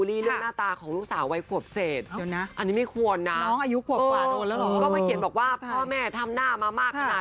ได้รถคืนแล้วก็ได้เงินคืนนะครับ